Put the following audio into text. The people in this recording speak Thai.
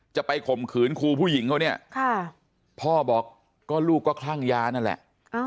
ข่มขืนครูผู้หญิงเขาเนี่ยพ่อบอกก็ลูกก็คลั่งยานั่นแหละ